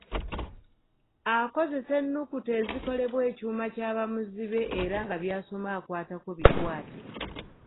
Akozesa ennukuta ezikolebwa ekyuma kya bamuzibe era nga by'asoma akwatako bikwate.